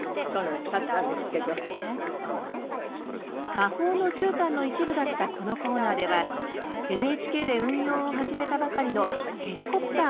「魔法のじゅうたん」の一部だったこのコーナーではＮＨＫで運用を始めたばかりのヘリコプターを使用。